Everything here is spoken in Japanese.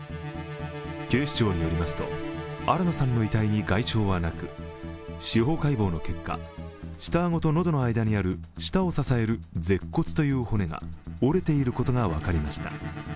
警視庁によりますと新野さんの遺体に外傷はなく司法解剖の結果、下顎と喉の間にある舌を支える舌骨という骨が折れていることが分かりました。